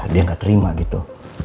dia gak terima gitu